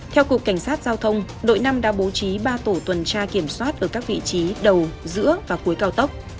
theo cục cảnh sát giao thông đội năm đã bố trí ba tổ tuần tra kiểm soát ở các vị trí đầu giữa và cuối cao tốc